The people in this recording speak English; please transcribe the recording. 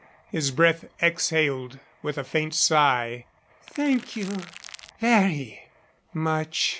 His breath exhaled with a faint sigh. "Thank you very much.